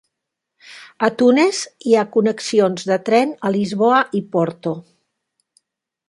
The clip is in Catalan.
A Tunes hi ha connexions de tren a Lisboa i Porto.